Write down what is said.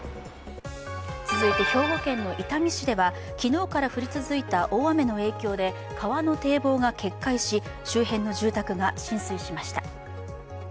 続いて兵庫県の伊丹市では昨日から降り続いた大雨の影響で川の堤防が決壊し、周辺の住宅が浸水しました。